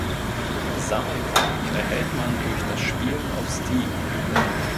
Sammelkarten erhält man durch das Spielen auf Steam.